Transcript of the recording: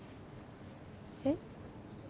えっ？